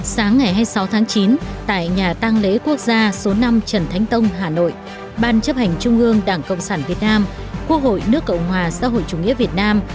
sáng ngày hai mươi sáu tháng chín tại nhà tăng lễ quốc gia số năm trần thánh tông hà nội ban chấp hành trung ương đảng cộng sản việt nam quốc hội nước cộng hòa xã hội chủ nghĩa việt nam